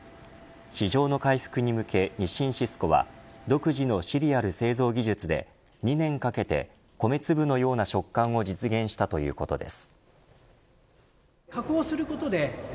市場の回復に向け日清シスコは独自のシリアル製造技術で２年かけて米粒のような食感を実現したということです。